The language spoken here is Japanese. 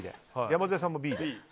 山添さんもＢ。